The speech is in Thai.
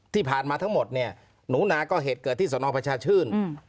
ที่ผ่านมาทั้งหมดเนี่ยหนูนาก็เหตุเกิดที่สนประชาชื่น